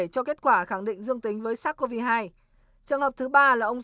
cho kết quả khẳng định dương tính với sars cov hai trường hợp thứ ba là ông